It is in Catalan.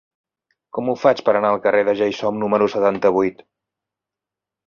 Com ho faig per anar al carrer de Ja-hi-som número setanta-vuit?